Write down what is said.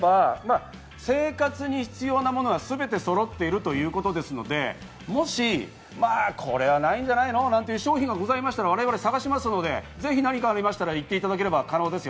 生活に必要なものはすべてそろっているということですので、もしこれはないんじゃないの？という商品がありましたら我々、探しますので、ぜひ何かありましたら、探しますので。